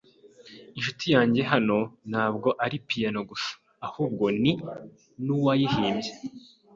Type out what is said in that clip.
Inshuti yanjye hano ntabwo ari piyano gusa, ahubwo ni nuwayihimbye.